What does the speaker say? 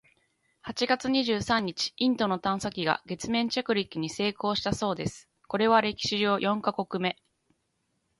八月二十三日、インドの探査機が月面着陸に成功したそうです！（これは歴史上四カ国目！）